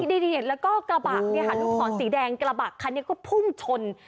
ใช่แล้วก็กระบาดนี้ลูกศรสีแดงกระบาดคันนี้ก็พุ่งชน